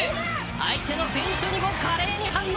相手のフェイントにも華麗に反応。